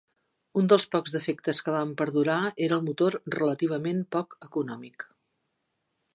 Un dels pocs defectes que van perdurar era el motor relativament poc econòmic.